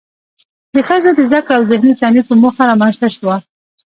د ښځو د زده کړو او ذهني تنوير په موخه رامنځ ته شوه.